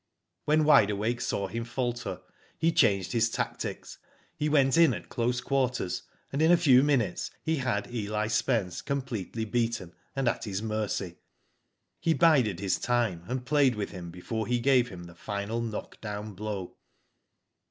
When Wide Awake saw him falter, he changed his tactics. He went in at close quarters, and in a few minutes he had Eli Spence completely beaten, and at his mercy. He bided his time, and played with him before he gave him the final knock down blow.